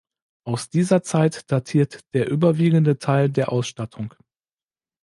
Aus dieser Zeit datiert der überwiegende Teil der Ausstattung.